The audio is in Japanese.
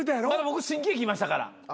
僕新喜劇いましたから。